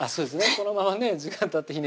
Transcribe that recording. このままね時間たってひね